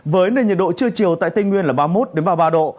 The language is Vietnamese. với nền nhiệt độ chưa chiều tại tây nguyên là ba mươi một đến ba mươi ba độ